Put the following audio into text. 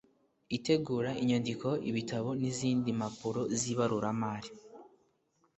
itegura inyandiko ibitabo n izindi mpapuro z ibaruramari